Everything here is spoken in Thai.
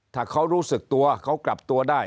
ถ้าเขารู้สึกตัวเขากลับตัวได้